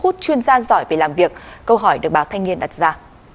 hút chuyên gia giỏi về làm việc câu hỏi được báo thanh niên đặt ra